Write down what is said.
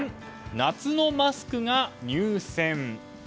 夏のマスクが入選。